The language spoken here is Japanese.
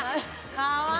かわいい！